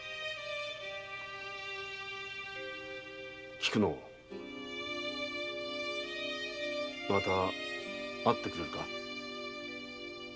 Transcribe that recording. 菊乃また会ってくれるか？